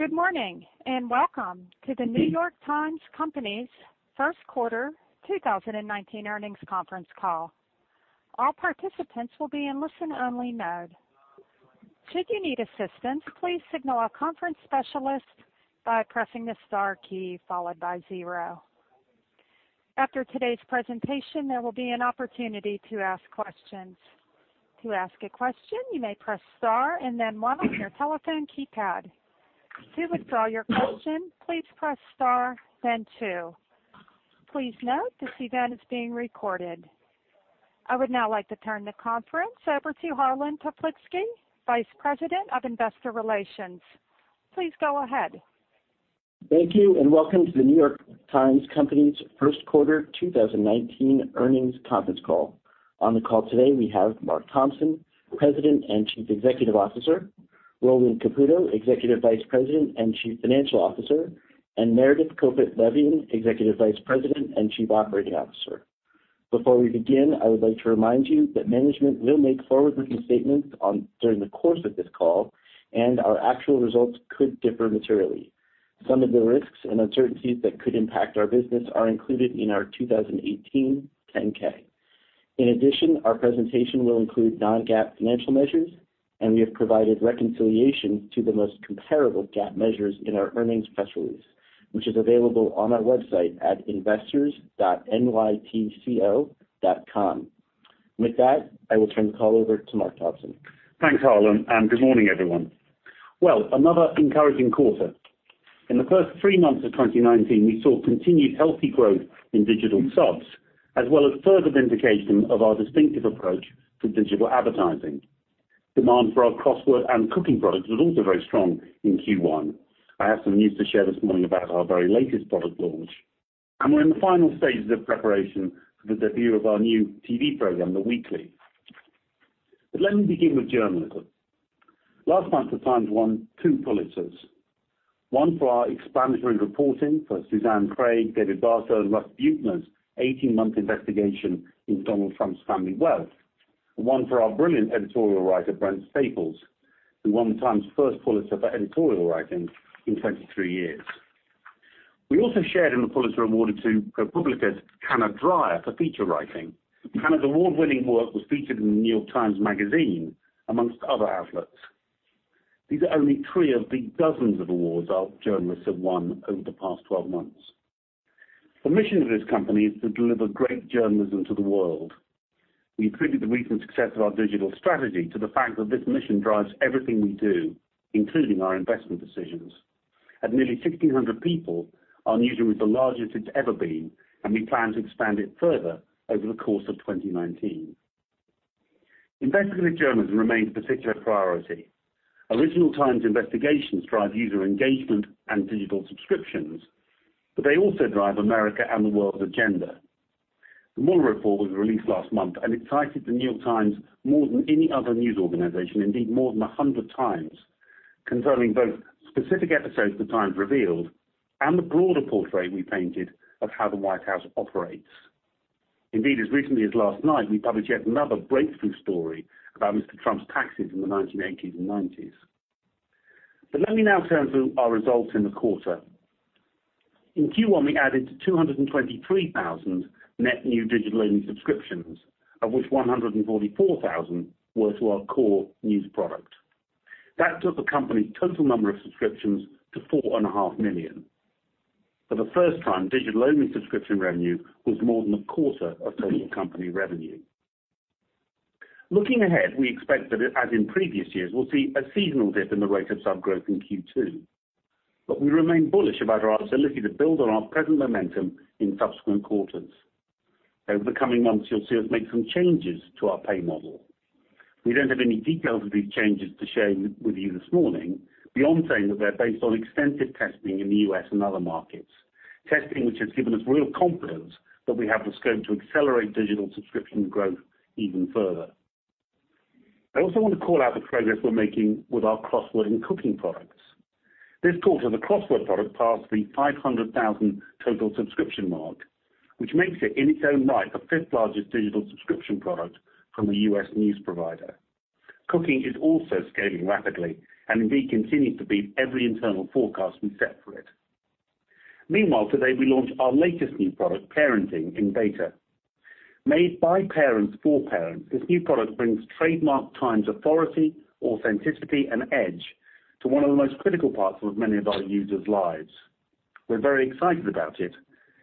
Good morning, and welcome to The New York Times Company's first quarter 2019 earnings conference call. All participants will be in listen-only mode. Should you need assistance, please signal our conference specialist by pressing the star key followed by zero. After today's presentation, there will be an opportunity to ask questions. To ask a question, you may press star and then one on your telephone keypad. To withdraw your question, please press star, then two. Please note, this event is being recorded. I would now like to turn the conference over to Harlan Toplitzky, Vice President of Investor Relations. Please go ahead. Thank you, and welcome to The New York Times Company's first quarter 2019 earnings conference call. On the call today, we have Mark Thompson, President and Chief Executive Officer, Roland Caputo, Executive Vice President and Chief Financial Officer, and Meredith Kopit Levien, Executive Vice President and Chief Operating Officer. Before we begin, I would like to remind you that management will make forward-looking statements during the course of this call, and our actual results could differ materially. Some of the risks and uncertainties that could impact our business are included in our 2018 10-K. In addition, our presentation will include non-GAAP financial measures, and we have provided reconciliation to the most comparable GAAP measures in our earnings press release, which is available on our website at investors.nytco.com. With that, I will turn the call over to Mark Thompson. Thanks, Harlan, and good morning, everyone. Well, another encouraging quarter. In the first three months of 2019, we saw continued healthy growth in digital subs, as well as further vindication of our distinctive approach to digital advertising. Demand for our crossword and Cooking products was also very strong in Q1. I have some news to share this morning about our very latest product launch. We're in the final stages of preparation for the debut of our new TV program, "The Weekly." Let me begin with journalism. Last month, the Times won two Pulitzers, one for our explanatory reporting for Susanne Craig, David Barstow, and Russ Buettner's 18-month investigation into Donald Trump's family wealth. One for our brilliant editorial writer, Brent Staples, who won the Times' first Pulitzer for editorial writing in 23 years. We also shared in the Pulitzer awarded to ProPublica's Hannah Dreier for feature writing. Hannah's award-winning work was featured in The New York Times Magazine, among other outlets. These are only three of the dozens of awards our journalists have won over the past 12 months. The mission of this company is to deliver great journalism to the world. We attribute the recent success of our digital strategy to the fact that this mission drives everything we do, including our investment decisions. At nearly 1,600 people, our newsroom is the largest it's ever been, and we plan to expand it further over the course of 2019. Investigative journalism remains a particular priority. Original Times investigations drive user engagement and digital subscriptions, but they also drive America and the world's agenda. The Mueller report was released last month, and it cited The New York Times more than any other news organization, indeed more than 100 times, concerning both specific episodes the Times revealed and the broader portrait we painted of how the White House operates. Indeed, as recently as last night, we published yet another breakthrough story about Mr. Trump's taxes in the 1980s and 1990s. Let me now turn to our results in the quarter. In Q1, we added 223,000 net new digital subscriptions, of which 144,000 were to our core news product. That took the company's total number of subscriptions to 4.5 million. For the first time, digital-only subscription revenue was more than a quarter of total company revenue. Looking ahead, we expect that, as in previous years, we'll see a seasonal dip in the rate of sub growth in Q2. We remain bullish about our ability to build on our present momentum in subsequent quarters. Over the coming months, you'll see us make some changes to our pay model. We don't have any details of these changes to share with you this morning beyond saying that they're based on extensive testing in the U.S. and other markets, testing which has given us real confidence that we have the scope to accelerate digital subscription growth even further. I also want to call out the progress we're making with our Crossword and Cooking products. This quarter, the crossword product passed the 500,000 total subscription mark, which makes it, in its own right, the fifth-largest digital subscription product from a U.S. news provider. Cooking is also scaling rapidly and indeed continues to beat every internal forecast we set for it. Meanwhile, today we launch our latest new product, Parenting, in beta. Made by parents for parents, this new product brings trademark Times authority, authenticity, and edge to one of the most critical parts of many of our users' lives. We're very excited about it,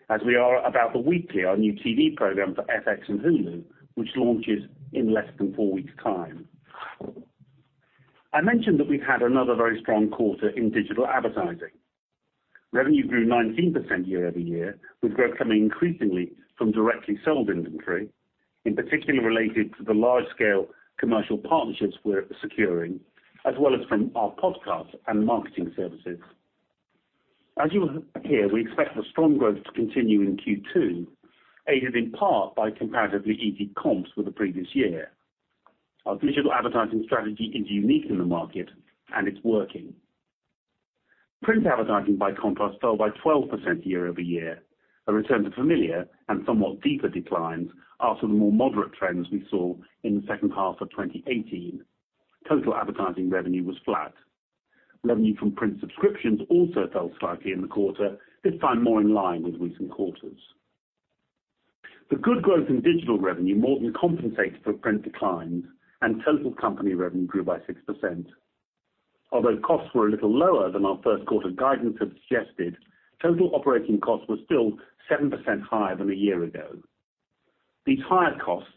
as we are about "The Weekly," our new TV program for FX and Hulu, which launches in less than four weeks' time. I mentioned that we've had another very strong quarter in digital advertising. Revenue grew 19% year-over-year, with growth coming increasingly from directly sold inventory, in particular related to the large-scale commercial partnerships we're securing, as well as from our podcast and marketing services. As you will hear, we expect the strong growth to continue in Q2, aided in part by comparatively easy comps with the previous year. Our digital advertising strategy is unique in the market and it's working. Print advertising, by contrast, fell by 12% year-over-year. A return to familiar and somewhat deeper declines after the more moderate trends we saw in the second half of 2018. Total advertising revenue was flat. Revenue from print subscriptions also fell slightly in the quarter, this time more in line with recent quarters. The good growth in digital revenue more than compensates for print declines, and total company revenue grew by 6%. Although costs were a little lower than our first quarter guidance had suggested, total operating costs were still 7% higher than a year ago. These higher costs,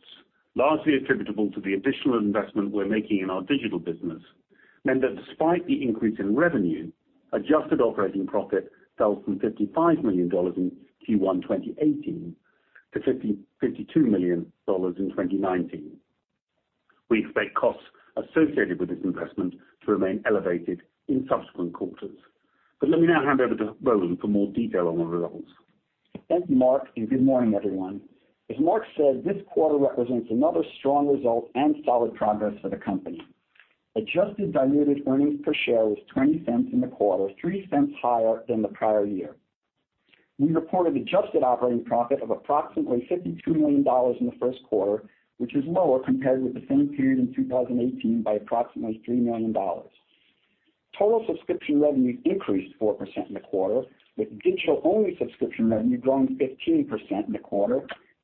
largely attributable to the additional investment we're making in our digital business, meant that despite the increase in revenue, adjusted operating profit fell from $55 million in Q1 2018 to $52 million in 2019. We expect costs associated with this investment to remain elevated in subsequent quarters. Let me now hand over to Roland for more detail on the results. Thank you, Mark, and good morning, everyone. As Mark said, this quarter represents another strong result and solid progress for the company. Adjusted diluted earnings per share was $0.20 in the quarter, $0.03 higher than the prior year. We reported adjusted operating profit of approximately $52 million in the first quarter, which is lower compared with the same period in 2018 by approximately $3 million. Total subscription revenue increased 4% in the quarter, with digital-only subscription revenue growing 15% in the quarter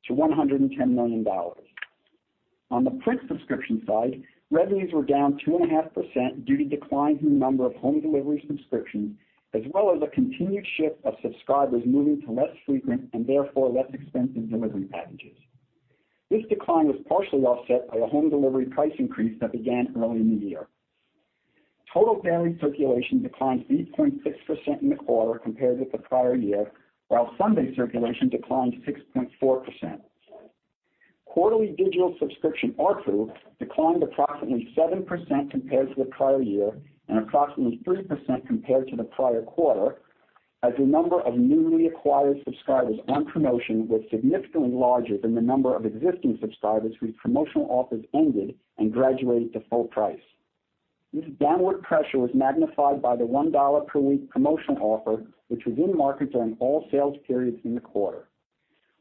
to $110 million. On the print subscription side, revenues were down 2.5% due to declines in number of home delivery subscriptions, as well as a continued shift of subscribers moving to less frequent and therefore less expensive delivery packages. This decline was partially offset by a home delivery price increase that began early in the year. Total daily circulation declined 8.6% in the quarter compared with the prior year, while Sunday circulation declined 6.4%. Quarterly digital subscription ARPU declined approximately 7% compared to the prior year, and approximately 3% compared to the prior quarter, as the number of newly acquired subscribers on promotion was significantly larger than the number of existing subscribers whose promotional offers ended and graduated to full price. This downward pressure was magnified by the $1 per week promotional offer, which was in market during all sales periods in the quarter.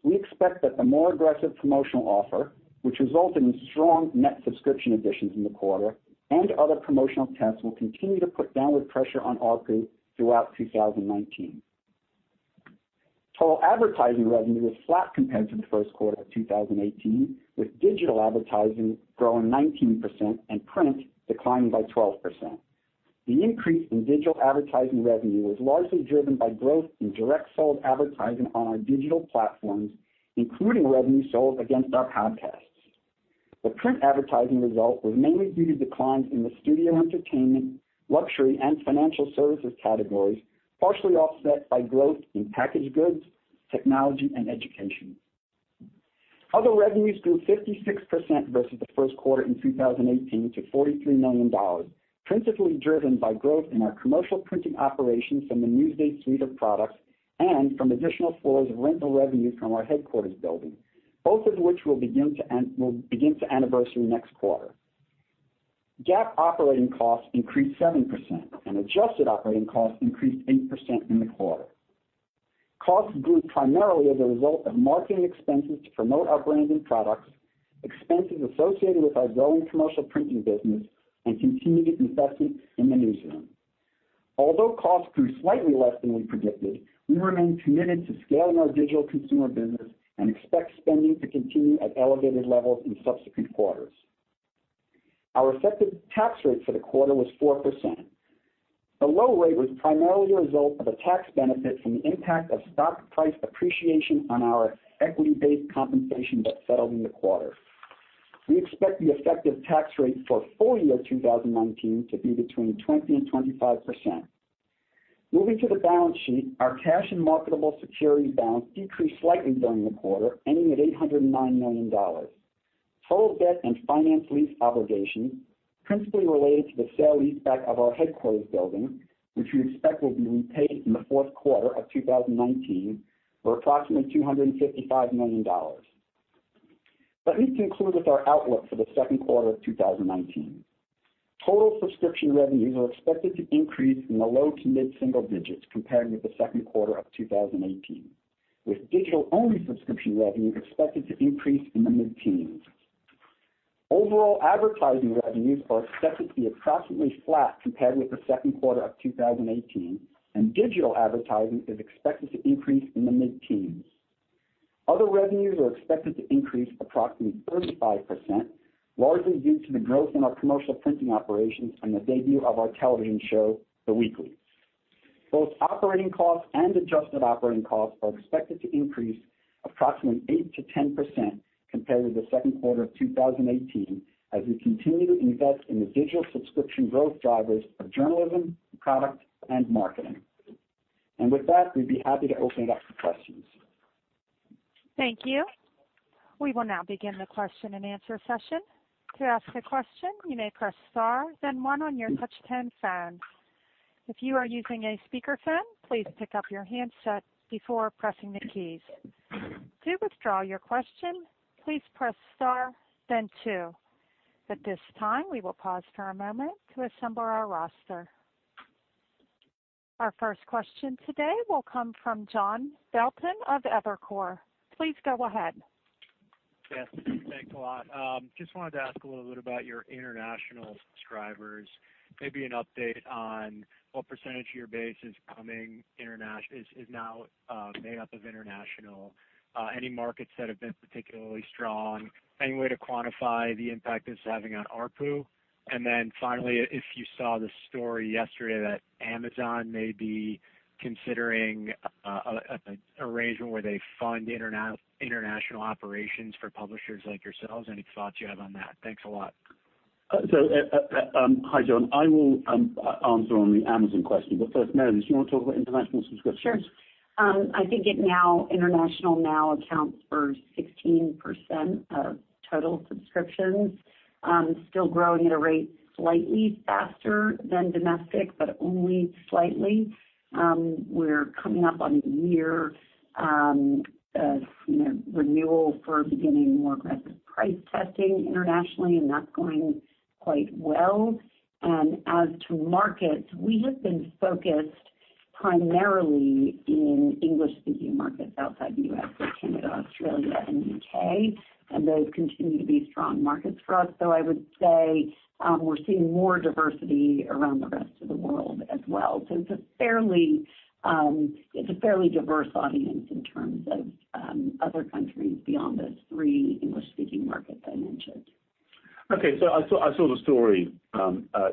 We expect that the more aggressive promotional offer, which resulted in strong net subscription additions in the quarter and other promotional tests, will continue to put downward pressure on ARPU throughout 2019. Total advertising revenue was flat compared to the first quarter of 2018, with digital advertising growing 19% and print declining by 12%. The increase in digital advertising revenue was largely driven by growth in direct sold advertising on our digital platforms, including revenue sold against our podcasts. The print advertising result was mainly due to declines in the studio entertainment, luxury, and financial services categories, partially offset by growth in packaged goods, technology and education. Other revenues grew 56% versus the first quarter in 2018 to $43 million, principally driven by growth in our commercial printing operations from the Newsday suite of products and from additional floors of rental revenue from our headquarters building, both of which will begin to anniversary next quarter. GAAP operating costs increased 7%, and adjusted operating costs increased 8% in the quarter. Costs grew primarily as a result of marketing expenses to promote our brands and products, expenses associated with our growing commercial printing business, and continued investment in the newsroom. Although costs grew slightly less than we predicted, we remain committed to scaling our digital consumer business and expect spending to continue at elevated levels in subsequent quarters. Our effective tax rate for the quarter was 4%. The low rate was primarily a result of a tax benefit from the impact of stock price appreciation on our equity-based compensation that settled in the quarter. We expect the effective tax rate for full year 2019 to be between 20% and 25%. Moving to the balance sheet, our cash and marketable securities balance decreased slightly during the quarter, ending at $809 million. Total debt and finance lease obligations principally related to the sale-leaseback of our headquarters building, which we expect will be repaid in the fourth quarter of 2019, were approximately $255 million. Let me conclude with our outlook for the second quarter of 2019. Total subscription revenues are expected to increase in the low- to mid-single digits compared with the second quarter of 2018, with digital-only subscription revenue expected to increase in the mid-teens. Overall advertising revenues are expected to be approximately flat compared with the second quarter of 2018, and digital advertising is expected to increase in the mid-teens. Other revenues are expected to increase approximately 35%, largely due to the growth in our commercial printing operations and the debut of our television show, "The Weekly." Both operating costs and adjusted operating costs are expected to increase approximately 8%-10% compared to the second quarter of 2018 as we continue to invest in the digital subscription growth drivers of journalism, product, and marketing. With that, we'd be happy to open it up to questions. Thank you. We will now begin the question-and-answer session. To ask a question, you may press star then one on your touch-tone phone. If you are using a speakerphone, please pick up your handset before pressing the keys. To withdraw your question, please press star then two. At this time, we will pause for a moment to assemble our roster. Our first question today will come from John Belton of Evercore. Please go ahead. Yes, thanks a lot. Just wanted to ask a little bit about your international subscribers. Maybe an update on what percentage of your base is now made up of international, any markets that have been particularly strong, any way to quantify the impact it's having on ARPU. Finally, if you saw the story yesterday that Amazon may be considering an arrangement where they fund international operations for publishers like yourselves, any thoughts you have on that? Thanks a lot. Hi, John. I will answer on the Amazon question. First, Meredith, do you want to talk about international subscriptions? Sure. I think international now accounts for 16% of total subscriptions. Still growing at a rate slightly faster than domestic, but only slightly. We're coming up on a year of renewal for beginning more aggressive price testing internationally, and that's going quite well. As to markets, we have been focused primarily in English-speaking markets outside the U.S., so Canada, Australia, and U.K., and those continue to be strong markets for us. Though I would say we're seeing more diversity around the rest of the world as well. It's a fairly diverse audience in terms of other countries beyond those three English-speaking markets I mentioned. Okay. I saw the story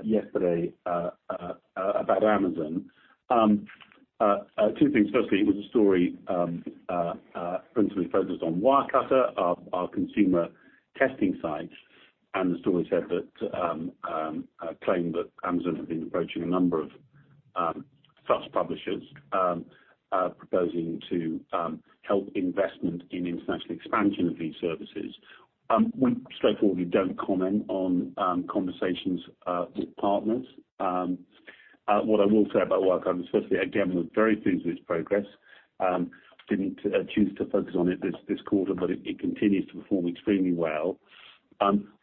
yesterday about Amazon. Two things. Firstly, it was a story principally focused on Wirecutter, our consumer testing site, and the story claimed that Amazon had been approaching a number of such publishers, proposing to help investment in international expansion of these services. We straightforwardly don't comment on conversations with partners. What I will say about Wirecutter, firstly, again, we're very pleased with its progress. Didn't choose to focus on it this quarter, but it continues to perform extremely well.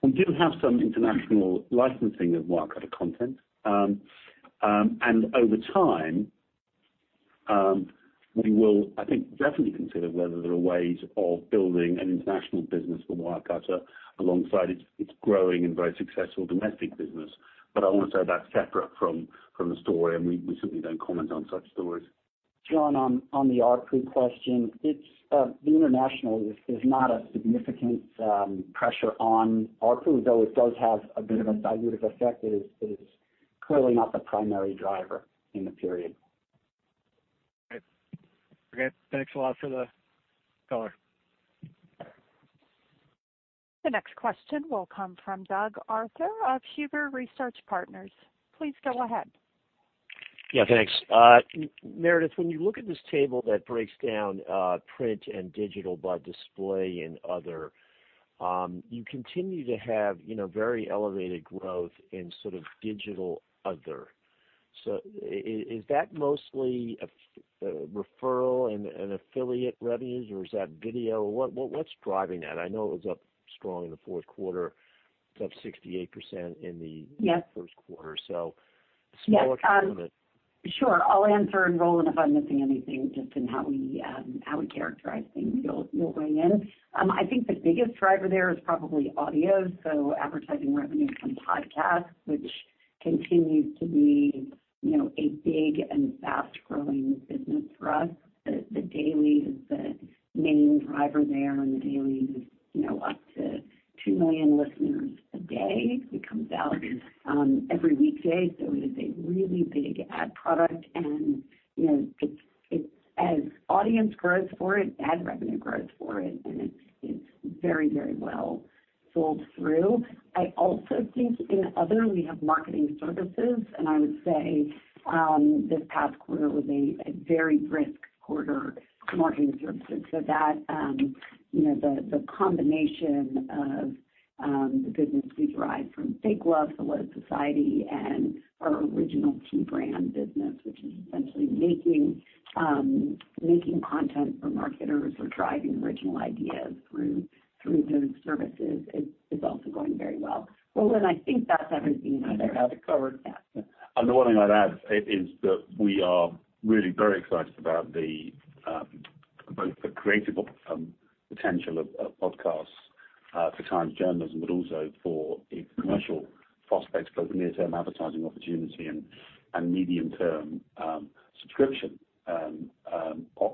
We do have some international licensing of Wirecutter content. Over time, we will, I think, definitely consider whether there are ways of building an international business for Wirecutter alongside its growing and very successful domestic business. I want to say that's separate from the story, and we simply don't comment on such stories. John, on the ARPU question, the international is not a significant pressure on ARPU, though it does have a bit of a dilutive effect, it is clearly not the primary driver in the period. Okay. Thanks a lot for the color. The next question will come from Doug Arthur of Huber Research Partners. Please go ahead. Yeah, thanks. Meredith, when you look at this table that breaks down print and digital by display and other, you continue to have very elevated growth in digital other. Is that mostly referral and affiliate revenues, or is that video? What's driving that? I know it was up strong in the fourth quarter. It's up 68% in the- Yes First quarter or so. Yes. Smallish element. Sure. I'll answer and Roland, if I'm missing anything just in how we characterize things, you'll weigh in. I think the biggest driver there is probably audio, so advertising revenues from podcasts, which continues to be a big and fast-growing business for us. The Daily is the main driver there, and The Daily is up to two million listeners a day. It comes out every weekday, so it is a really big ad product, and as audience grows for it, ad revenue grows for it, and it's very well sold through. I also think in other, we have marketing services, and I would say this past quarter was a very brisk quarter for marketing services. The combination of the business we derive from Fake Love, HelloSociety, and our original T brand business, which is essentially making content for marketers or driving original ideas through those services is also going very well. Roland, I think that's everything under- I think I have it covered. Yeah. The one thing I'd add is that we are really very excited about both the creative potential of podcasts for Times Journalism, but also for the commercial prospects, both near-term advertising opportunity and medium-term subscription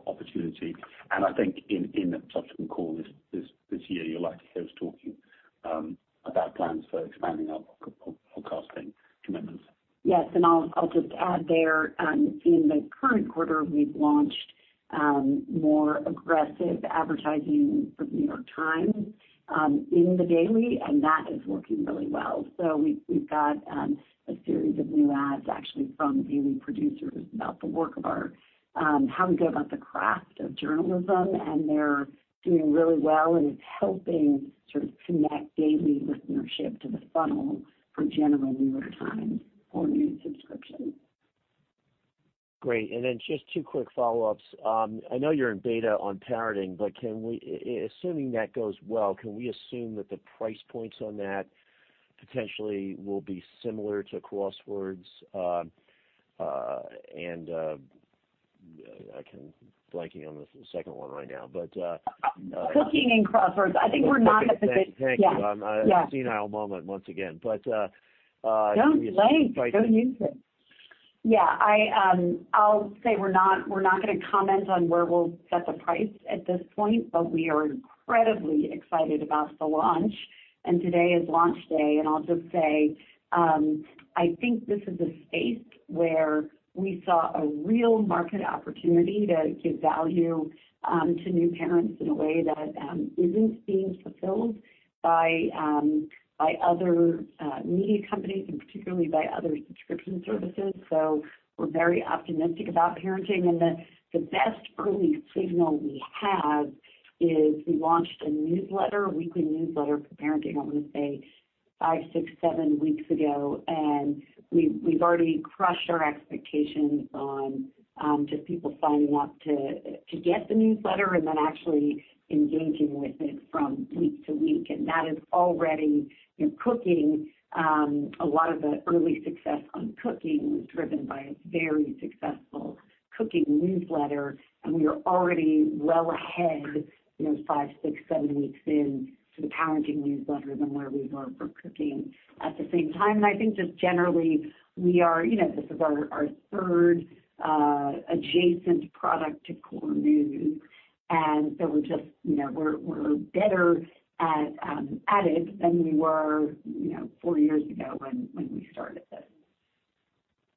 opportunity. I think in a subsequent call this year, you'll likely hear us talking about plans for expanding our podcasting commitments. Yes, I'll just add there, in the current quarter, we've launched more aggressive advertising for the New York Times in The Daily, and that is working really well. We've got a series of new ads actually from Daily producers about how we go about the craft of journalism, and they're doing really well, and it's helping sort of connect Daily listenership to the funnel for general New York Times online subscriptions. Great. Just two quick follow-ups. I know you're in [beta on Parenting], but assuming that goes well, can we assume that the price points on that potentially will be similar to Crosswords? I'm blanking on the second one right now, but- Cooking and Crosswords. I think we're not at the- Thank you. Yeah. I'm having a senile moment once again. Yeah, I'll say we're not going to comment on where we'll set the price at this point, but we are incredibly excited about the launch, and today is launch day. I'll just say, I think this is a space where we saw a real market opportunity to give value to new parents in a way that isn't being fulfilled by other media companies and particularly by other subscription services. We're very optimistic about Parenting. The best early signal we have is we launched a newsletter, a weekly newsletter for Parenting, I want to say five, six, seven weeks ago. We've already crushed our expectations on just people signing up to get the newsletter and then actually engaging with it from week to week. That is already in Cooking. A lot of the early success on Cooking was driven by a very successful Cooking newsletter, and we are already well ahead, five, six, seven weeks into the Parenting newsletter than where we were for Cooking. At the same time, I think just generally this is our third adjacent product to core news, and so we're better at it than we were four years ago when we started this.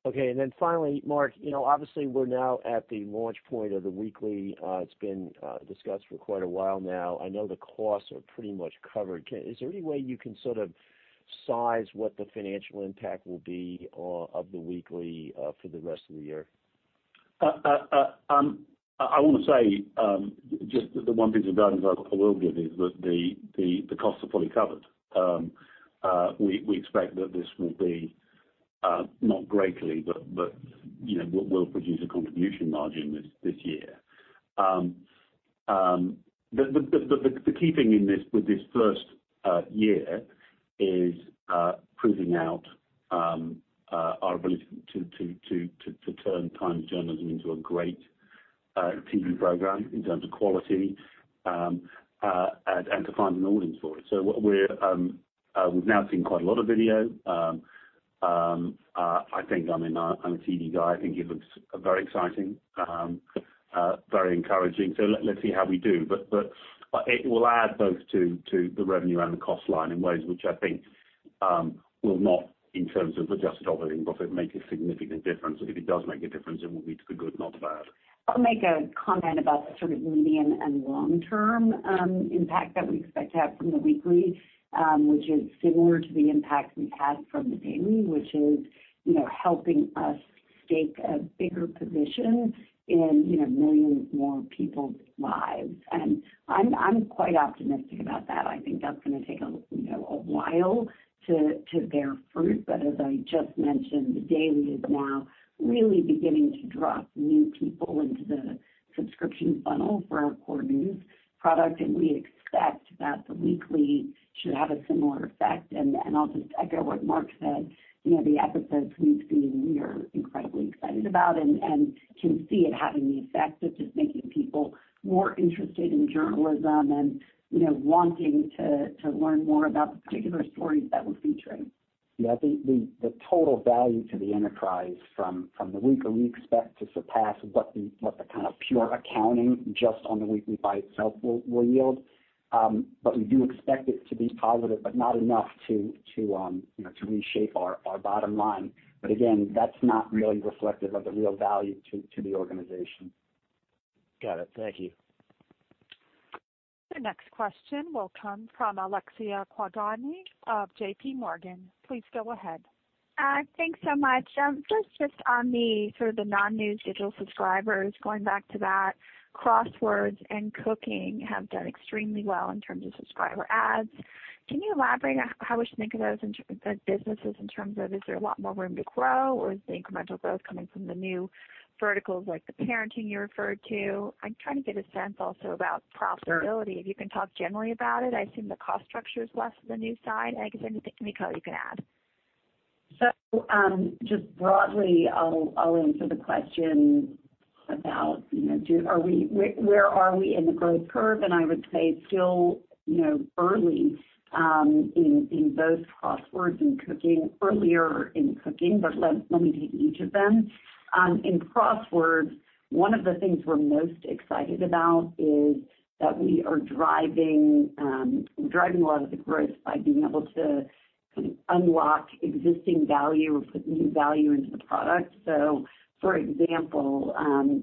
Okay, finally, Mark, obviously we're now at the launch point of The Weekly. It's been discussed for quite a while now. I know the costs are pretty much covered. Is there any way you can sort of size what the financial impact will be of The Weekly for the rest of the year? I want to say, just the one piece of guidance I will give is that the costs are fully covered. We expect that this will be not greatly, but will produce a contribution margin this year. The key thing with this first year is proving out our ability to turn Times journalism into a great TV program in terms of quality, and to find an audience for it. We've now seen quite a lot of video. I'm a TV guy, I think it looks very exciting, very encouraging. Let's see how we do. It will add both to the revenue and the cost line in ways which I think will not, in terms of adjusted operating profit, make a significant difference. If it does make a difference, it will be to the good, not the bad. I'll make a comment about the sort of medium and long-term impact that we expect to have from The Weekly, which is similar to the impact we've had from The Daily, which is helping us stake a bigger position in a million more people's lives. I'm quite optimistic about that. I think that's going to take a while to bear fruit. As I just mentioned, The Daily is now really beginning to draw new people into the subscription funnel for our core news product, and we expect that The Weekly should have a similar effect. I'll just echo what Mark said. The episodes we are incredibly excited about and can see it having the effect of just making people more interested in journalism and wanting to learn more about the particular stories that we're featuring. Yeah. The total value to the enterprise from The Weekly, or we expect to surpass what the kind of pure accounting just on The Weekly by itself will yield. We do expect it to be positive, but not enough to reshape our bottom line. Again, that's not really reflective of the real value to the organization. Got it. Thank you. The next question will come from Alexia Quadrani of JPMorgan. Please go ahead. Thanks so much. Just on sort of the non-news digital subscribers, going back to that, Crosswords and Cooking have done extremely well in terms of subscriber ads. Can you elaborate on how we should think of those businesses in terms of is there a lot more room to grow, or is the incremental growth coming from the new verticals like the Parenting you referred to? I'm trying to get a sense also about profitability. If you can talk generally about it. I assume the cost structure is less than the news side. I guess anything, you can add. Just broadly, I'll answer the question about where we are in the growth curve, and I would say it's still early in both Crosswords and Cooking. Earlier in Cooking, but let me take each of them. In Crosswords, one of the things we're most excited about is that we are driving a lot of the growth by being able to unlock existing value or put new value into the product. For example,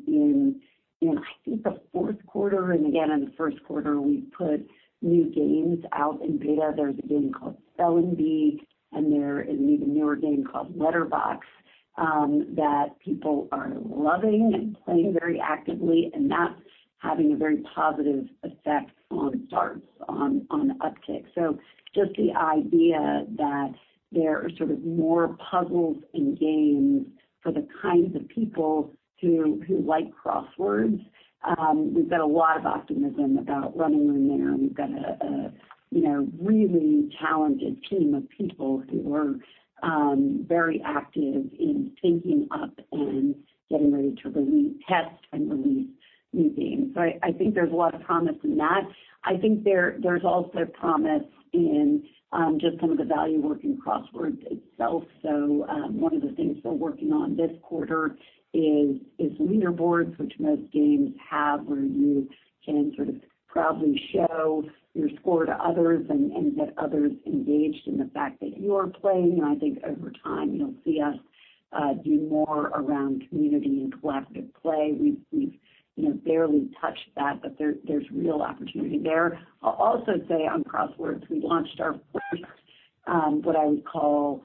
in I think the fourth quarter and again in the first quarter, we put new games out in beta. There's a game called Spelling Bee, and there is an even newer game called Letter Boxed that people are loving and playing very actively. That's having a very positive effect on retention, on uptick. Just the idea that there are sort of more puzzles and games for the kinds of people who like Crosswords, we've got a lot of optimism about running room there, and we've got a really talented team of people who are very active in thinking up and getting ready to release, test, and release new games. I think there's a lot of promise in that. I think there's also promise in just some of the value work in Crosswords itself. One of the things we're working on this quarter is leaderboards, which most games have, where you can sort of proudly show your score to others and get others engaged in the fact that you're playing. I think over time, you'll see us do more around community and collaborative play. We've barely touched that, but there's real opportunity there. I'll also say on Crosswords, we launched our first, what I would call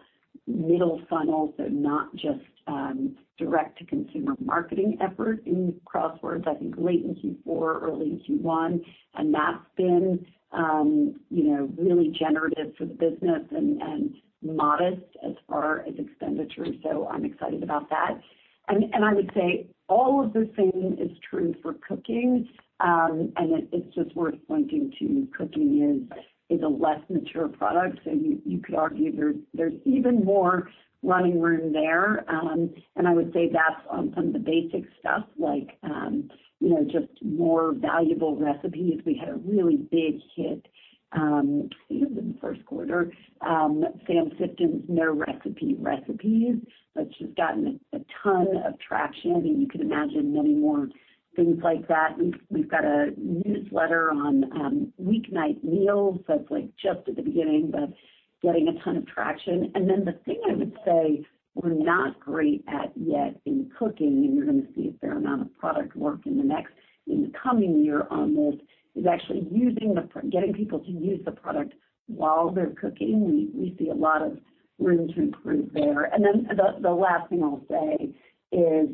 middle funnel, so not just direct-to-consumer marketing effort in Crosswords, I think late in Q4, early in Q1. That's been really generative for the business and modest as far as expenditure. I'm excited about that. I would say all of the same is true for Cooking, and it's just worth pointing to Cooking is a less mature product, so you could argue there's even more running room there. I would say that's on some of the basic stuff like, just more valuable recipes. We had a really big hit, I think it was in the first quarter, Sam Sifton's No-Recipe Recipes, which has gotten a ton of traction, and you could imagine many more things like that. We've got a newsletter on weeknight meals that's just at the beginning, but getting a ton of traction. The thing I would say we're not great at yet in Cooking, and you're going to see a fair amount of product work in the coming year on this, is actually getting people to use the product while they're cooking. We see a lot of room to improve there. The last thing I'll say is,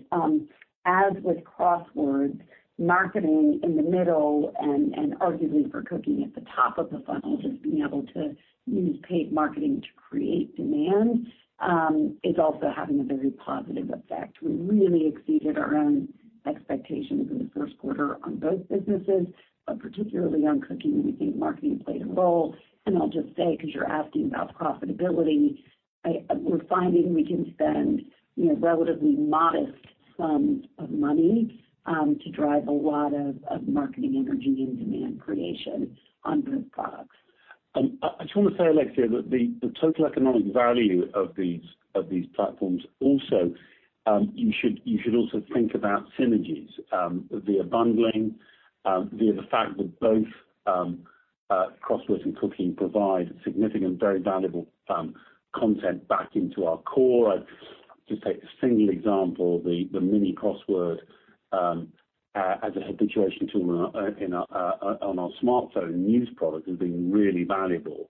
as with Crosswords, marketing in the middle and arguably for Cooking at the top of the funnel, just being able to use paid marketing to create demand, is also having a very positive effect. We really exceeded our own expectations in the first quarter on both businesses, but particularly on Cooking, we think marketing played a role. I'll just say, because you're asking about profitability, we're finding we can spend relatively modest sums of money to drive a lot of marketing energy and demand creation on both products. I just want to say, Alexia, that the total economic value of these platforms also, you should also think about synergies, via bundling, via the fact that both Crosswords and Cooking provide significant, very valuable content back into our core. Just take the single example, the Mini Crossword, as a habituation tool on our smartphone news product has been really valuable.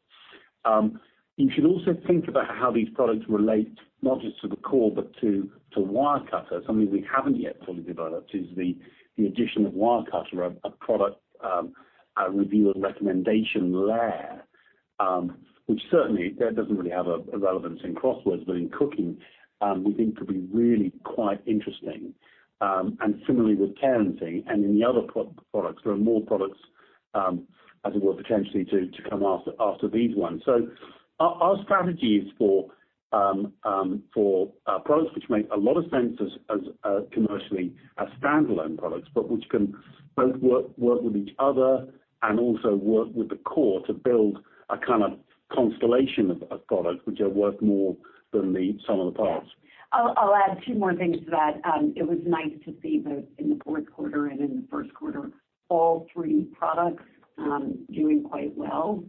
You should also think about how these products relate not just to the core but to Wirecutter. Something we haven't yet fully developed is the addition of Wirecutter, a product, a review and recommendation layer, which certainly that doesn't really have a relevance in Crosswords, but in Cooking, we think could be really quite interesting. Similarly with Parenting and in the other products, there are more products, as it were, potentially to come after these ones. Our strategy is for products which make a lot of sense commercially as standalone products, but which can both work with each other and also work with the core to build a kind of constellation of products which are worth more than the sum of the parts. I'll add two more things to that. It was nice to see both in the fourth quarter and in the first quarter, all three products doing quite well.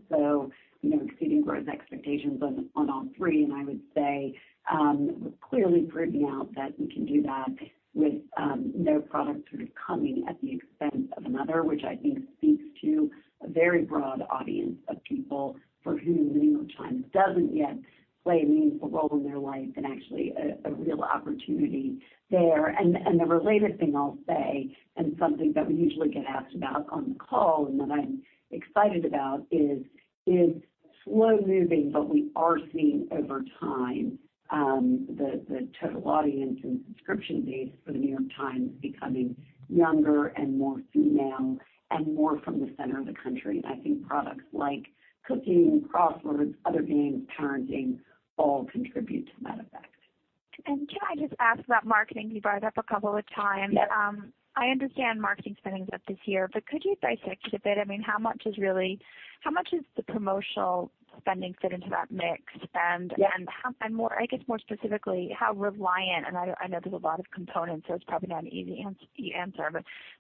Exceeding growth expectations on all three, and I would say, clearly proving out that we can do that with no product sort of coming at the expense of another, which I think speaks to a very broad audience of people for whom The New York Times doesn't yet play a meaningful role in their life and actually a real opportunity there. The related thing I'll say, and something that we usually get asked about on the call and that I'm excited about is slow moving, but we are seeing over time, the total audience and subscription base for The New York Times becoming younger and more female and more from the center of the country. I think products like Cooking, Crosswords, other games, Parenting, all contribute to that effect. Can I just ask about marketing? You brought it up a couple of times. Yep. I understand marketing spending's up this year, but could you dissect it a bit? How much is the promotional spending fit into that mix? Yep. I guess more specifically, how reliant, and I know there's a lot of components, so it's probably not an easy answer,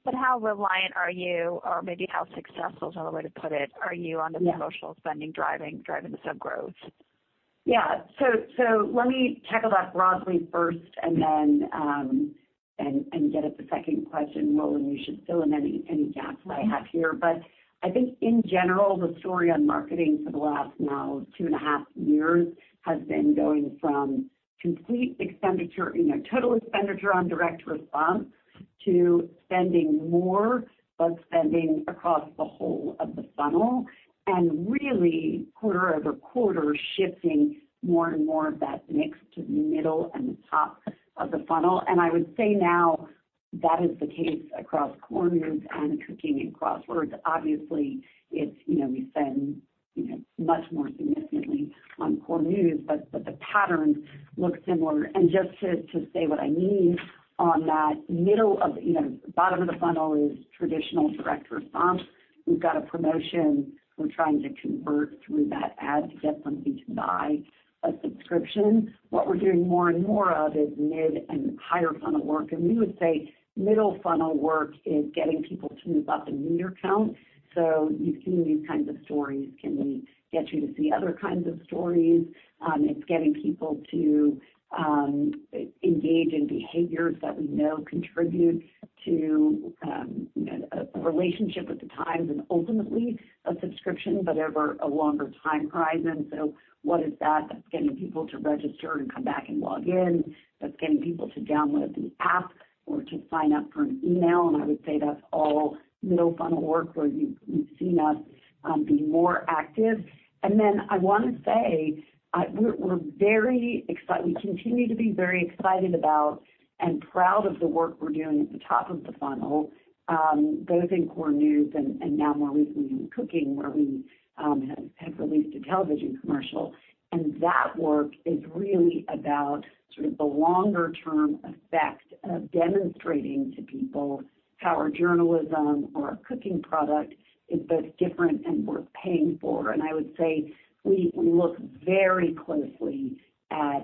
but how reliant are you, or maybe how successful is another way to put it, are you on the? Yeah Promotional spending driving the sub growth? Yeah. Let me tackle that broadly first and then get at the second question, Roland. You should fill in any gaps that I have here. I think in general, the story on marketing for the last now 2.5 years has been going from complete expenditure, total expenditure on direct response to spending more, but spending across the whole of the funnel, and really quarter-over-quarter, shifting more and more of that mix to the middle and the top of the funnel. I would say now that is the case across core news and Cooking and Crosswords. Obviously, we spend much more significantly on core news, but the patterns look similar. Just to say what I mean on that, bottom of the funnel is traditional direct response. We've got a promotion, we're trying to convert through that ad to get somebody to buy a subscription. What we're doing more and more of is mid and higher funnel work, and we would say middle funnel work is getting people to move up in reader count. You've seen these kinds of stories, can we get you to see other kinds of stories? It's getting people to engage in behaviors that we know contribute to a relationship with The Times and ultimately a subscription, but over a longer time horizon. What is that? That's getting people to register and come back and log in, that's getting people to download the app or to sign up for an email, and I would say that's all middle funnel work where you've seen us be more active. I want to say, we continue to be very excited about and proud of the work we're doing at the top of the funnel, both in core news and now more recently in cooking, where we have released a television commercial. That work is really about sort of the longer-term effect of demonstrating to people how our journalism or our cooking product is both different and worth paying for. I would say we look very closely at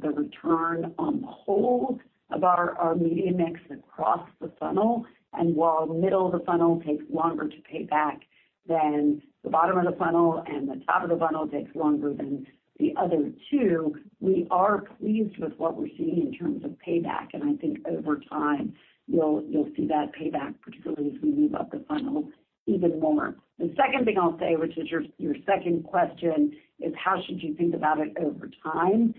the return on the whole of our media mix across the funnel, and while middle of the funnel takes longer to pay back than the bottom of the funnel, and the top of the funnel takes longer than the other two, we are pleased with what we're seeing in terms of payback. I think over time, you'll see that payback, particularly as we move up the funnel even more. The second thing I'll say, which is your second question, is how should you think about it over time?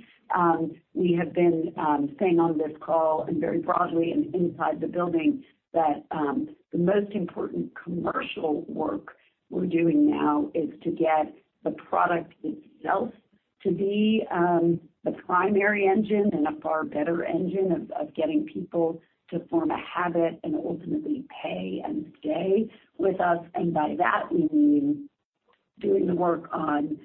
We have been saying on this call and very broadly inside the building, that the most important commercial work we're doing now is to get the product itself to be the primary engine and a far better engine of getting people to form a habit and ultimately pay and stay with us. By that we mean doing the work on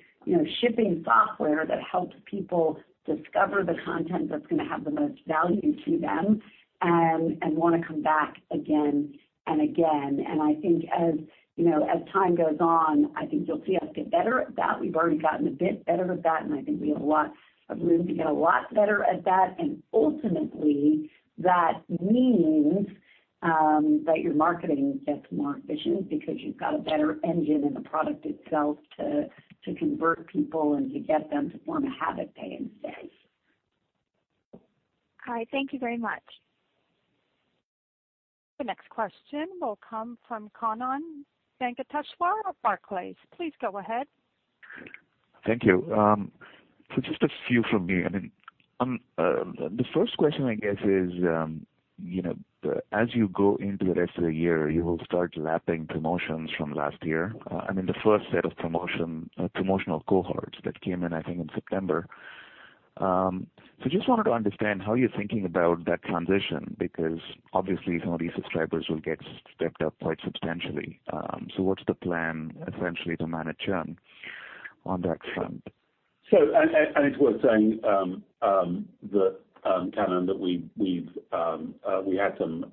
shipping software that helps people discover the content that's going to have the most value to them and want to come back again and again. I think as time goes on, you'll see us get better at that. We've already gotten a bit better at that, and I think we have a lot of room to get a lot better at that. Ultimately, that means that your marketing gets more efficient because you've got a better engine in the product itself to convert people and to get them to form a habit, pay, and stay. Hi, thank you very much. The next question will come from Kannan Venkateshwar of Barclays. Please go ahead. Thank you. Just a few from me. The first question, I guess, is as you go into the rest of the year, you will start lapping promotions from last year, I mean, the first set of promotional cohorts that came in, I think, in September. Just wanted to understand how you're thinking about that transition, because obviously some of these subscribers will get stepped up quite substantially. What's the plan, essentially, to manage churn on that front? It's worth saying, Kannan, that we had some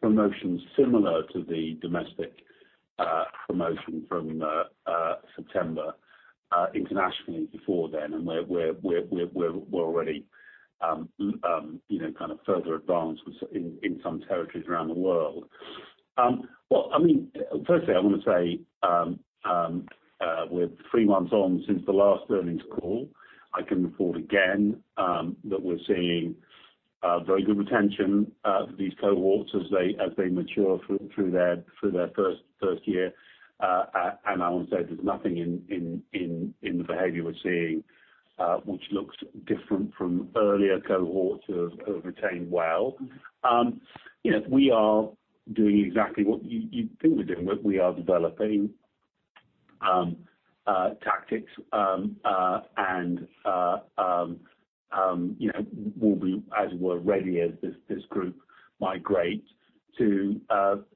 promotions similar to the domestic promotion from September internationally before then, and we're already kind of further advanced in some territories around the world. Well, firstly I want to say, we're three months on since the last earnings call, I can report again that we're seeing very good retention of these cohorts as they mature through their first year. I would say there's nothing in the behavior we're seeing which looks different from earlier cohorts who have retained well. We are doing exactly what you think we're doing, we are developing tactics and we'll be, as it were, ready as this group migrate to attempt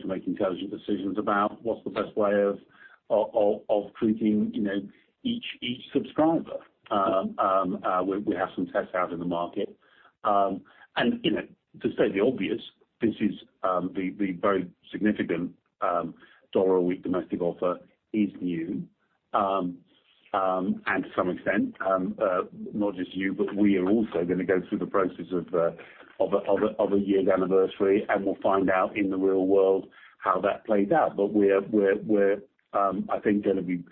to make intelligent decisions about what's the best way of treating each subscriber. We have some tests out in the market. To say the obvious, this is the very significant $1 a week domestic offer is new. To some extent, not just you, but we are also going to go through the process of a year's anniversary, and we'll find out in the real world how that plays out. We're, I think, going to be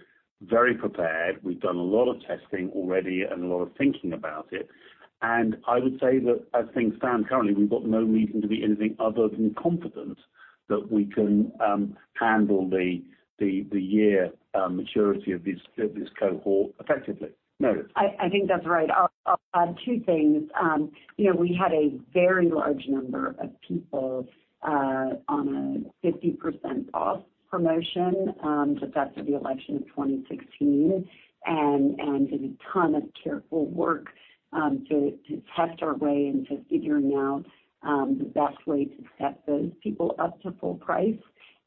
very prepared. We've done a lot of testing already and a lot of thinking about it, and I would say that as things stand currently, we've got no reason to be anything other than confident. That we can handle the year maturity of this cohort effectively. No. I think that's right. I'll add two things. We had a very large number of people on a 50% off promotion just after the election of 2016, and did a ton of careful work to test our way into figuring out the best way to set those people up to full price,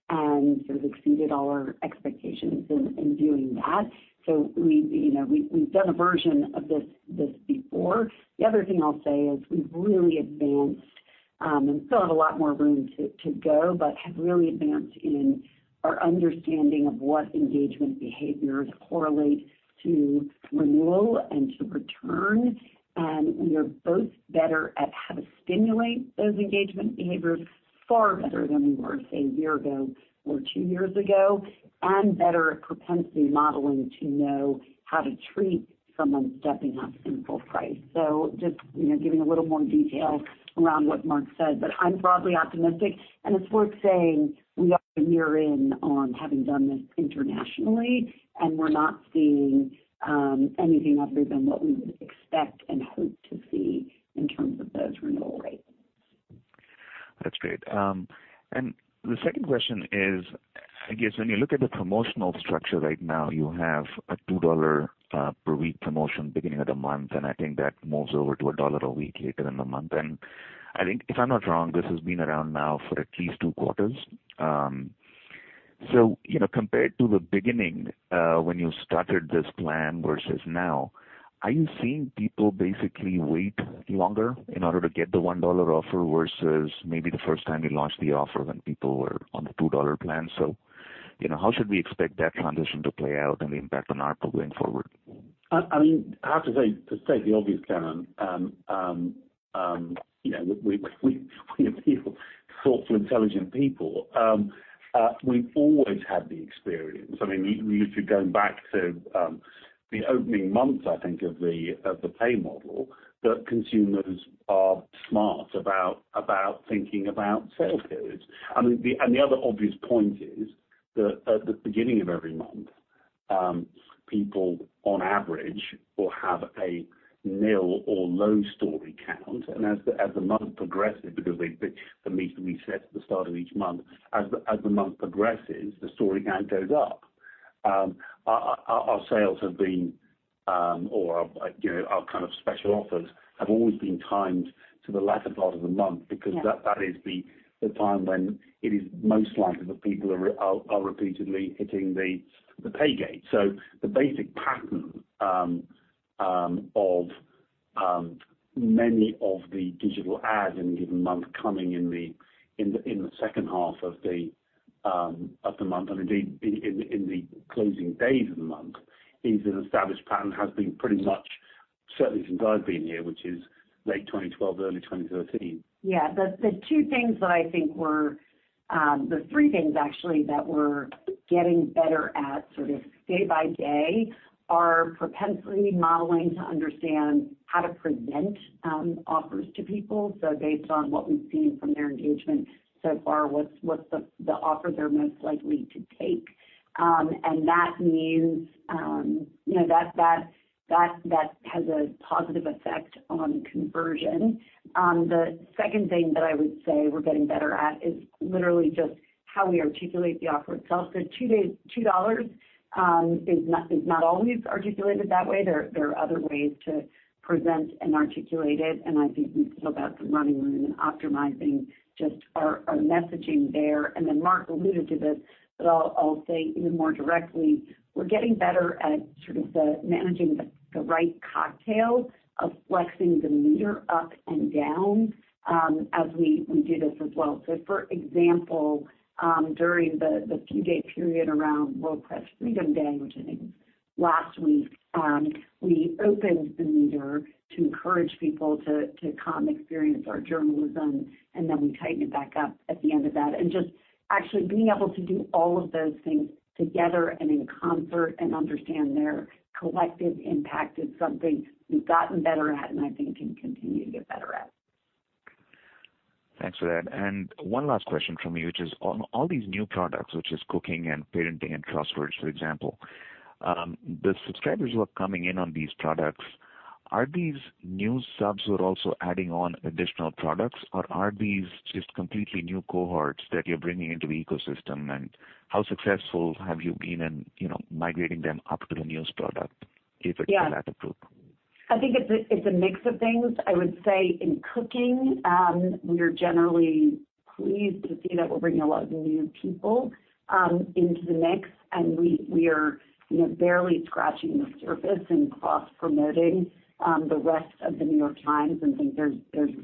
and sort of exceeded all our expectations in doing that. We've done a version of this before. The other thing I'll say is we've really advanced, and still have a lot more room to go, but have really advanced in our understanding of what engagement behaviors correlate to renewal and to return. We are both better at how to stimulate those engagement behaviors far better than we were, say, a year ago or two years ago, and better at propensity modeling to know how to treat someone stepping up in full price. Just giving a little more detail around what Mark said. I'm broadly optimistic, and it's worth saying we are a year in on having done this internationally, and we're not seeing anything other than what we would expect and hope to see in terms of those renewal rates. That's great. The second question is, I guess when you look at the promotional structure right now, you have a $2 per week promotion beginning of the month, and I think that moves over to a $1 a week later in the month. I think, if I'm not wrong, this has been around now for at least two quarters. Compared to the beginning, when you started this plan versus now, are you seeing people basically wait longer in order to get the $1 offer, versus maybe the first time you launched the offer when people were on the $2 plan? How should we expect that transition to play out and the impact on ARPU going forward? I have to say, to state the obvious, Kannan, we appeal to thoughtful, intelligent people. We've always had the experience. You could go back to the opening months, I think, of the pay model, that consumers are smart about thinking about sale periods. The other obvious point is that at the beginning of every month, people on average will have a nil or low story count. As the month progresses, because the meter resets at the start of each month, as the month progresses, the story count goes up. Our sales have been, or our kind of special offers, have always been timed to the latter part of the month, because that is the time when it is most likely that people are repeatedly hitting the pay gate. The basic pattern of many of the digital ads in a given month coming in the second half of the month, and indeed in the closing days of the month, is an established pattern, has been pretty much, certainly since I've been here, which is late 2012, early 2013. Yeah. The three things actually that we're getting better at sort of day by day are propensity modeling to understand how to present offers to people. Based on what we've seen from their engagement so far, what's the offer they're most likely to take? That has a positive effect on conversion. The second thing that I would say we're getting better at is literally just how we articulate the offer itself. $2 is not always articulated that way. There are other ways to present and articulate it, and I think we've still got some running room in optimizing just our messaging there. Then Mark alluded to this, but I'll say even more directly, we're getting better at sort of the managing the right cocktail of flexing the meter up and down as we do this as well. For example, during the few day period around World Press Freedom Day, which I think was last week, we opened the meter to encourage people to come experience our journalism, and then we tightened it back up at the end of that. Just actually being able to do all of those things together and in concert and understand their collective impact is something we've gotten better at and I think can continue to get better at. Thanks for that. One last question from me, which is, on all these new products, which is Cooking and Parenting and Crosswords, for example, the subscribers who are coming in on these products, are these new subs who are also adding on additional products, or are these just completely new cohorts that you're bringing into the ecosystem? How successful have you been in migrating them up to the news product, if that's the approach? I think it's a mix of things. I would say in Cooking, we're generally pleased to see that we're bringing a lot of new people into the mix, and we are barely scratching the surface in cross-promoting the rest of The New York Times and think there's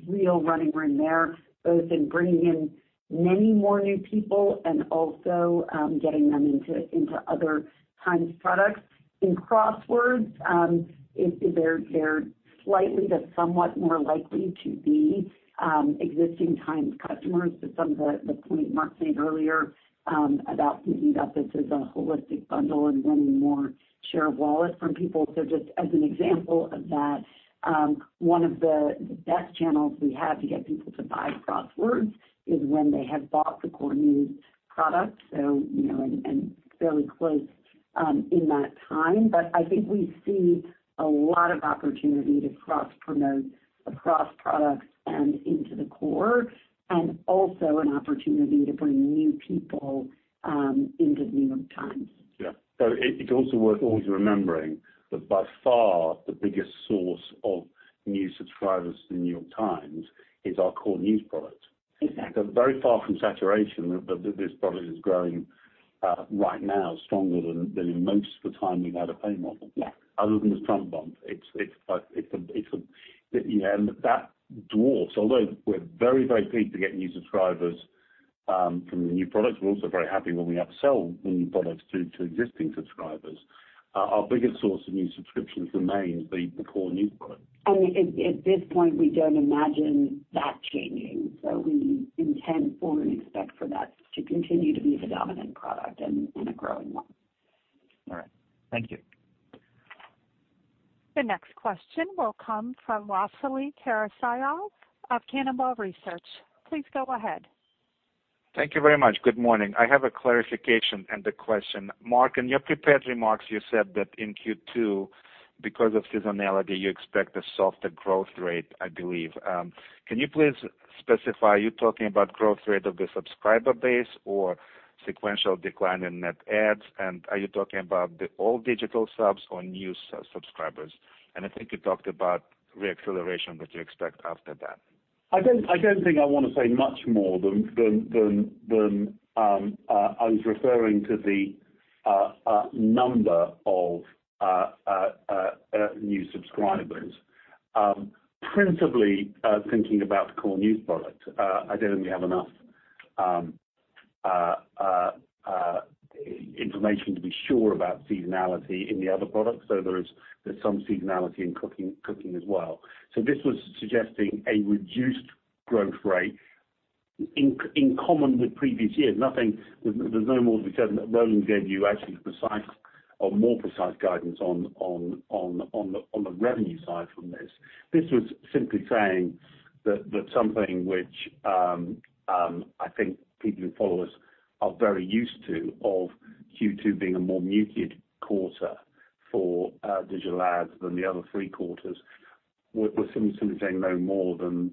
real running room there, both in bringing in many more new people and also getting them into other Times products. In Crosswords, they're slightly to somewhat more likely to be existing Times customers, but some of the point Mark made earlier about thinking about this as a holistic bundle and winning more share of wallet from people. Just as an example of that, one of the best channels we have to get people to buy Crosswords is when they have bought the core news product, and fairly close in that time. I think we see a lot of opportunity to cross-promote across products and into the core, and also an opportunity to bring new people into "The New York Times. Yeah. It's also worth always remembering that by far the biggest source of new subscribers to "The New York Times" is our core news product. Exactly. Very far from saturation, but this product is growing right now stronger than in most of the time we've had a pay model. Yeah. Other than this Trump bump. That dwarfs, although we're very, very pleased to get new subscribers from the new products, we're also very happy when we upsell new products to existing subscribers. Our biggest source of new subscriptions remains the core news product. At this point, we don't imagine that changing. We intend or expect for that to continue to be the dominant product and a growing one. All right. Thank you. The next question will come from Vasily Karasyov of Cannonball Research. Please go ahead. Thank you very much. Good morning. I have a clarification and a question. Mark, in your prepared remarks, you said that in Q2, because of seasonality, you expect a softer growth rate, I believe. Can you please specify, are you talking about growth rate of the subscriber base or sequential decline in net adds? Are you talking about the all digital subs or new subscribers? I think you talked about re-acceleration that you expect after that. I don't think I want to say much more than I was referring to the number of new subscribers, principally thinking about the core news product. I don't have enough information to be sure about seasonality in the other products, so there's some seasonality in cooking as well. This was suggesting a reduced growth rate in common with previous years. There's no more to be said than that. Roland gave you actually more precise guidance on the revenue side from this. This was simply saying that something which I think people who follow us are very used to, of Q2 being a more muted quarter for digital ads than the other three quarters, we're simply saying no more than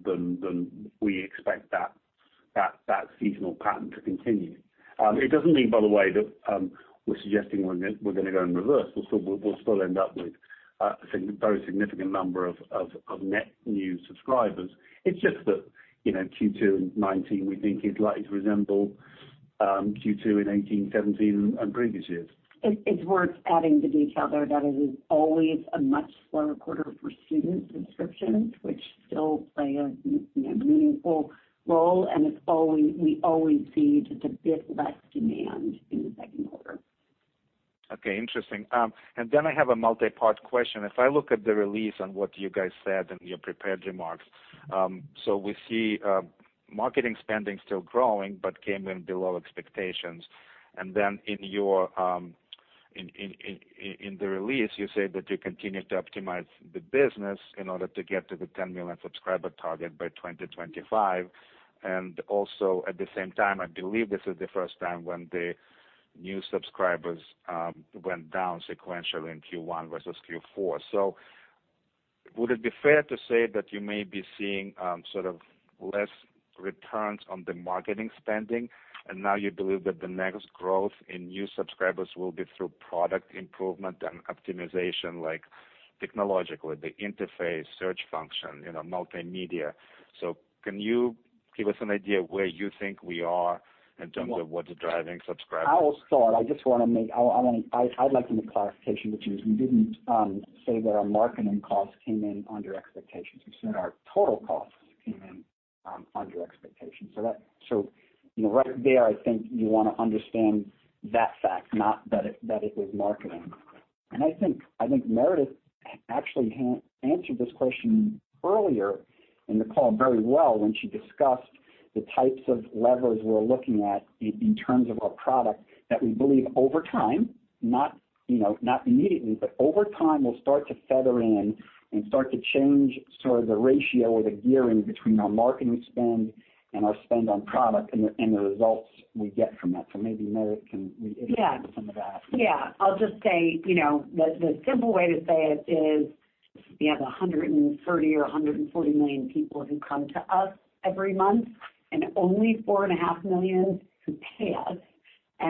we expect that seasonal pattern to continue. It doesn't mean, by the way, that we're suggesting we're going to go in reverse. We'll still end up with a very significant number of net new subscribers. It's just that Q2 in 2019 we think is likely to resemble Q2 in 2018, 2017, and previous years. It's worth adding the detail there that it is always a much slower quarter for student subscriptions, which still play a meaningful role, and we always see just a bit less demand in the second quarter. Okay, interesting. I have a multi-part question. If I look at the release on what you guys said in your prepared remarks, so we see marketing spending still growing but came in below expectations. In the release, you said that you continue to optimize the business in order to get to the 10 million subscriber target by 2025. At the same time, I believe this is the first time when the new subscribers went down sequentially in Q1 versus Q4. Would it be fair to say that you may be seeing less returns on the marketing spending, and now you believe that the next growth in new subscribers will be through product improvement and optimization, like technologically, the interface, search function, multimedia. Can you give us an idea where you think we are in terms of what's driving subscribers? I will start. I'd like to make a clarification, which is we didn't say that our marketing costs came in under expectations. We said our total costs came in under expectations. Right there, I think you want to understand that fact, not that it was marketing. I think Meredith actually answered this question earlier in the call very well when she discussed the types of levers we're looking at in terms of our product, that we believe over time, not immediately, but over time, will start to feather in and start to change sort of the ratio or the gearing between our marketing spend and our spend on product and the results we get from that. Maybe Meredith can reiterate some of that. Yeah. I'll just say, the simple way to say it is we have 130 or 140 million people who come to us every month, and only 4.5 million who pay us.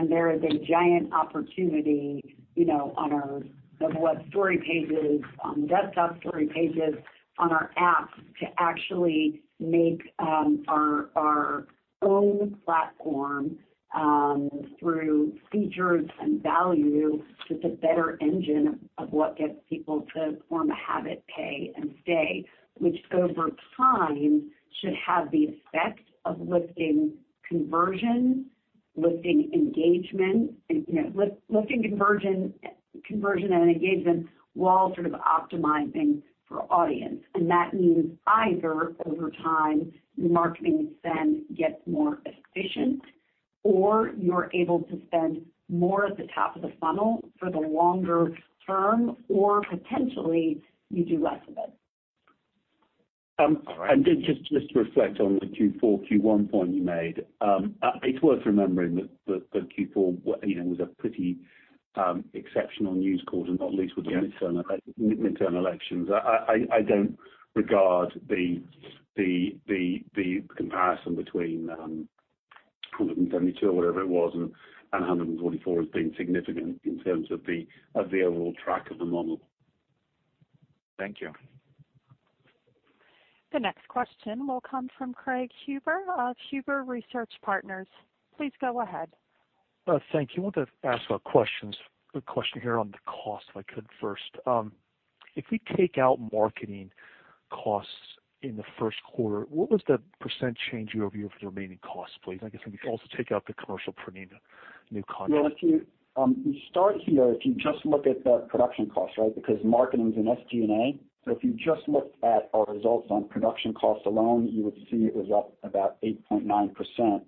There is a giant opportunity, on our mobile web story pages, on desktop story pages, on our apps, to actually make our own platform, through features and value, just a better engine of what gets people to form a habit, pay, and stay. Which over time should have the effect of lifting conversion, lifting engagement, and lifting conversion and engagement while sort of optimizing for audience. That means either over time, the marketing spend gets more efficient, or you're able to spend more at the top of the funnel for the longer term, or potentially you do less of it. Just to reflect on the Q4, Q1 point you made. It's worth remembering that Q4 was a pretty exceptional news quarter, not least with the midterm elections. I don't regard the comparison between 172 or whatever it was, and 144 as being significant in terms of the overall track of the model. Thank you. The next question will come from Craig Huber of Huber Research Partners. Please go ahead. Thank you. I want to ask a question here on the cost if I could, first. If we take out marketing costs in the first quarter, what was the percent change year-over-year for the remaining costs, please? I guess if we could also take out the commercial printing, the new content. Well, if you start here, if you just look at the production costs. Because marketing's in SG&A. If you just looked at our results on production costs alone, you would see it was up about 8.9%.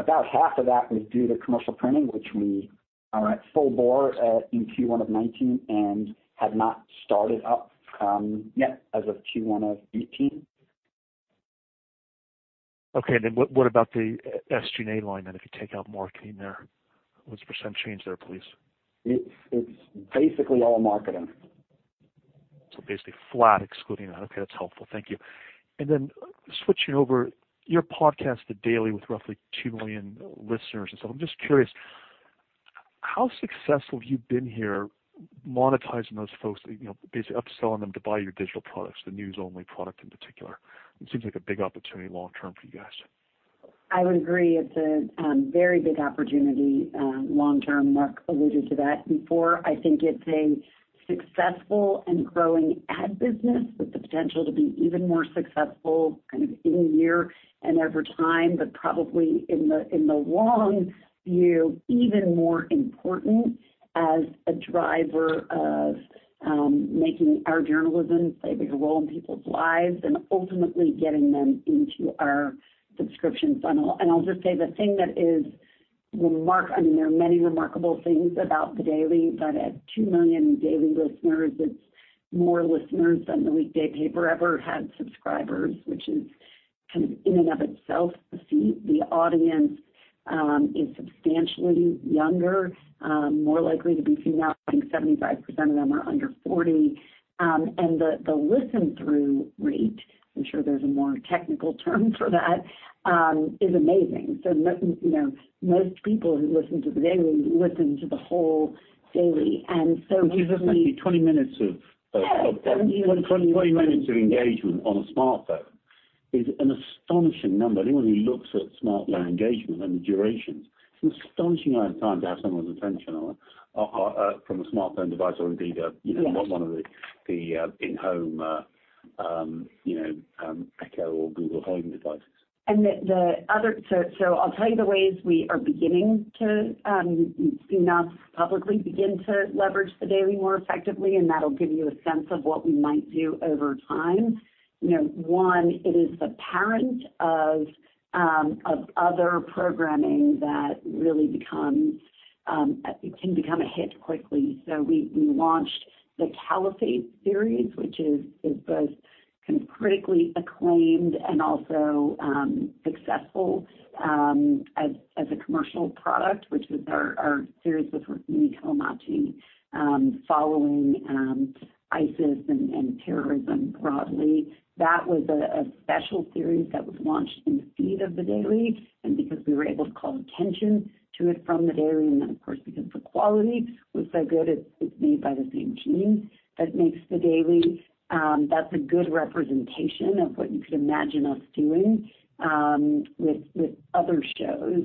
About half of that was due to commercial printing, which we are at full bore in Q1 of 2019 and had not started up yet as of Q1 of 2018. Okay. What about the SG&A line then, if you take out marketing there, what's the percent change there, please? It's basically all marketing. Basically flat, excluding that. Okay. That's helpful. Thank you. Then switching over, your podcast, The Daily, with roughly two million listeners and so on. I'm just curious, how successful have you been here monetizing those folks, basically upselling them to buy your digital products, the news-only product in particular? It seems like a big opportunity long term for you guys. I would agree. It's a very big opportunity long term. Mark alluded to that before. I think it's a successful and growing ad business with the potential to be even more successful kind of in the near term and over time, but probably in the long view, even more important as a driver of making our journalism play a bigger role in people's lives and ultimately getting them into our subscription funnel. I'll just say. There are many remarkable things about The Daily, but at two million daily listeners, it's more listeners than the weekday paper ever had subscribers, which is kind of in and of itself, a feat. The audience is substantially younger, more likely to be female. I think 75% of them are under 40. The listen through rate, I'm sure there's a more technical term for that, is amazing. Most people who listen to The Daily listen to the whole Daily. Which is effectively 20 minutes of Yeah. 70- 20 minutes of engagement on a smartphone is an astonishing number. Anyone who looks at smartphone engagement and the durations, it's an astonishing amount of time to have someone's attention from a smartphone device or indeed. Yes One of the in-home Echo or Google Home devices. I'll tell you the ways we are beginning to, not publicly, begin to leverage The Daily more effectively, and that'll give you a sense of what we might do over time. One, it is the parent of other programming that really can become a hit quickly. We launched the Caliphate series, which is both critically acclaimed and also successful as a commercial product, which was our series with Rukmini Callimachi following ISIS and terrorism broadly. That was a special series that was launched in the feed of The Daily, and because we were able to call attention to it from The Daily, and then, of course, because the quality was so good, it's made by the same team that makes The Daily. That's a good representation of what you could imagine us doing with other shows.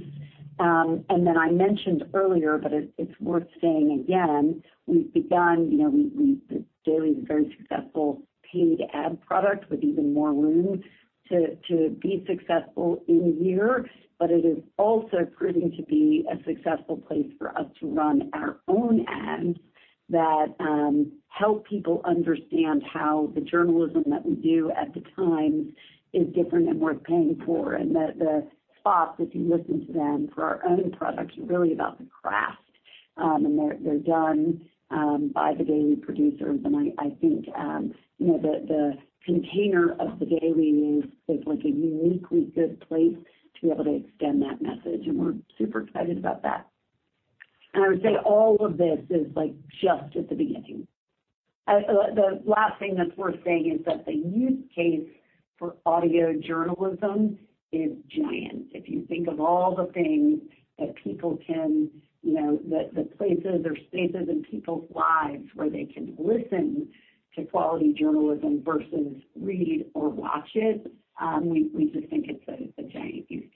I mentioned earlier, but it's worth saying again, The Daily is a very successful paid ad product with even more room to be successful in year. It is also proving to be a successful place for us to run our own ads that help people understand how the journalism that we do at The Times is different and worth paying for. The spots, if you listen to them, for our own products, are really about the craft, and they're done by The Daily producers. I think the container of The Daily is a uniquely good place to be able to extend that message, and we're super excited about that. I would say all of this is just at the beginning. The last thing that's worth saying is that the use case for audio journalism is giant. If you think of all the things that people can, the places or spaces in people's lives where they can listen to quality journalism versus read or watch it, we just think it's a giant use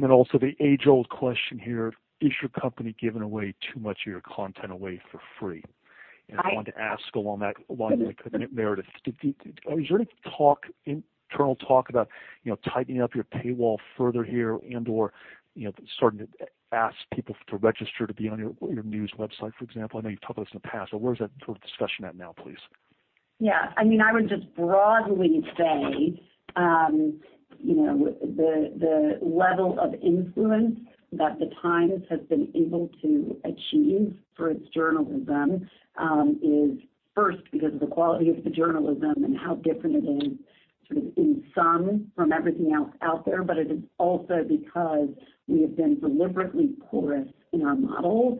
case. The age-old question here, is your company giving away too much of your content away for free? I wanted to ask along that line there, Meredith, is there any internal talk about tightening up your paywall further here and/or starting to ask people to register to be on your news website, for example? I know you've talked about this in the past, but where is that sort of discussion at now, please? Yeah. I would just broadly say the level of influence that the Times has been able to achieve for its journalism is first because of the quality of the journalism and how different it is in sum from everything else out there. It is also because we have been deliberately porous in our model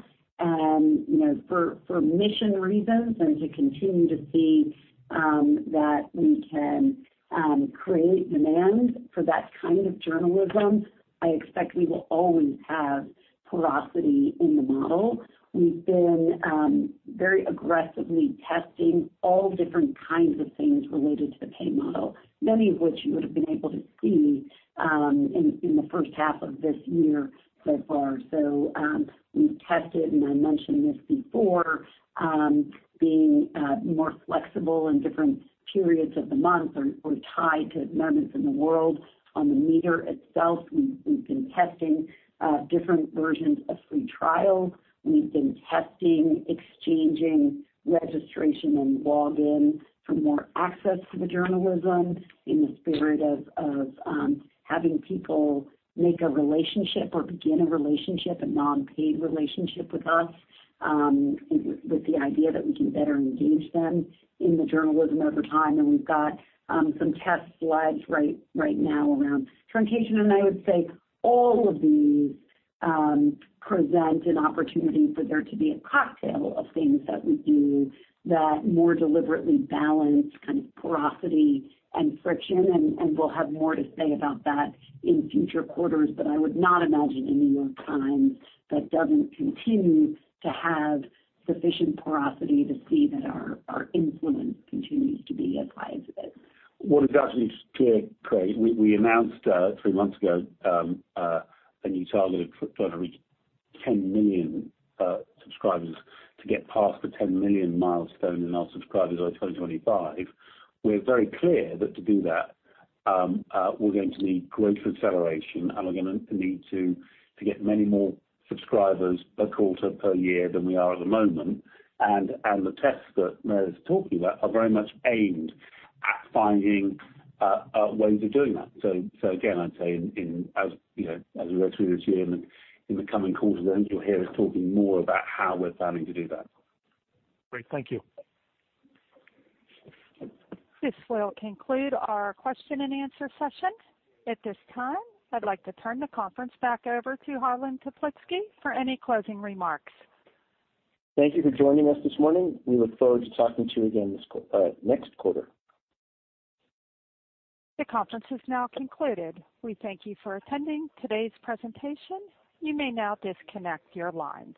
for mission reasons and to continue to see that we can create demand for that kind of journalism. I expect we will always have porosity in the model. We've been very aggressively testing all different kinds of things related to the pay model, many of which you would have been able to see in the first half of this year so far. We've tested, and I mentioned this before, being more flexible in different periods of the month or tied to events in the world on the meter itself. We've been testing different versions of free trial. We've been testing exchanging registration and login for more access to the journalism in the spirit of having people make a relationship or begin a relationship, a non-paid relationship with us, with the idea that we can better engage them in the journalism over time. We've got some test slides right now around truncation. I would say all of these present an opportunity for there to be a cocktail of things that we do that more deliberately balance porosity and friction, and we'll have more to say about that in future quarters. I would not imagine a The New York Times that doesn't continue to have sufficient porosity to see that our influence continues to be as high as it is. What is absolutely clear, Craig, we announced three months ago a new target of over 10 million subscribers to get past the 10 million milestone in our subscribers by 2025. We're very clear that to do that, we're going to need growth acceleration, and we're going to need to get many more subscribers per quarter, per year than we are at the moment. The tests that Meredith's talking about are very much aimed at finding ways of doing that. Again, I'd say as we work through this year and in the coming quarters, I think you'll hear us talking more about how we're planning to do that. Great. Thank you. This will conclude our question-and-answer session. At this time, I'd like to turn the conference back over to Harlan Toplitzky for any closing remarks. Thank you for joining us this morning. We look forward to talking to you again next quarter. The conference has now concluded. We thank you for attending today's presentation. You may now disconnect your lines.